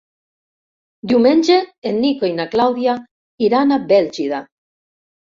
Diumenge en Nico i na Clàudia iran a Bèlgida.